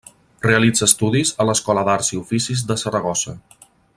Realitza estudis a l'Escola d'Arts i Oficis de Saragossa.